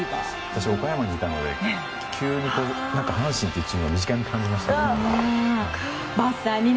私、岡山にいたので急に阪神というチームが身近に感じましたね。